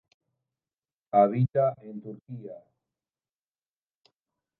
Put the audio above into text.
Habita en Turquía.